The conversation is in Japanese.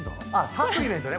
サプリメントね。